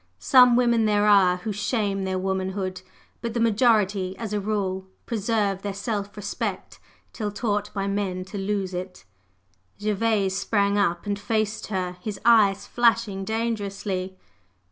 Some women there are who shame their womanhood; but the majority, as a rule, preserve their self respect till taught by men to lose it." Gervase sprang up and faced her, his eyes flashing dangerously.